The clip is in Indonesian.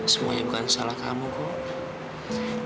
semuanya bukan salah kamu kok